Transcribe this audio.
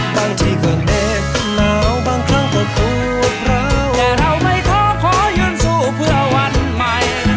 บางทีคือเด็กหนาวบางครั้งก็ควบร้าวแต่เราไม่ขอขอยืนสู้เพื่อวันใหม่